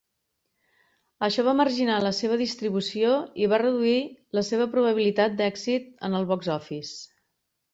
Això va marginar la seva distribució i va reduir la seva probabilitat d'èxit en el Box-Office.